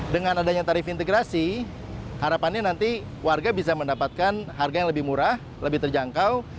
dengan adanya tarif integrasi harapannya nanti warga bisa mendapatkan harga yang lebih murah lebih terjangkau